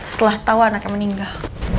setelah tau anaknya meninggal